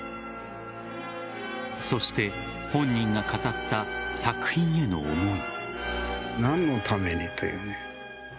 そして、本人が語った作品への思い。